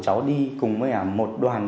cháu đi cùng một đoàn